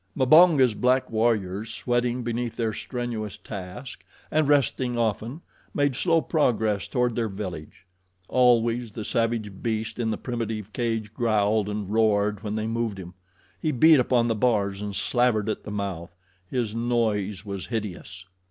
Mbonga's black warriors, sweating beneath their strenuous task, and resting often, made slow progress toward their village. Always the savage beast in the primitive cage growled and roared when they moved him. He beat upon the bars and slavered at the mouth. His noise was hideous.